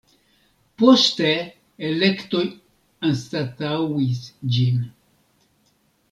Poste elektoj anstataŭis ĝin.